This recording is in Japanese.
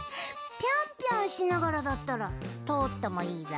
ぴょんぴょんしながらだったらとおってもいいぞ。